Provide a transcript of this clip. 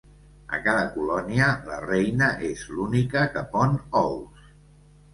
A cada colònia, la reina és l'única que pon ous.